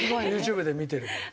ＹｏｕＴｕｂｅで見てるけど。